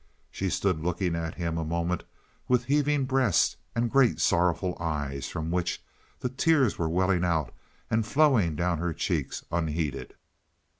She stood looking at him a moment with heaving breast and great sorrowful eyes from which the tears were welling out and flowing down her cheeks unheeded.